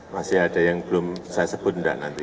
masih ada yang belum saya sebut enggak nanti